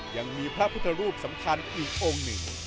ยังมีพระพุทธรูปสำคัญอีกองค์หนึ่ง